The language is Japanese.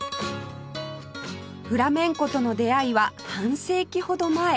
フラメンコとの出会いは半世紀ほど前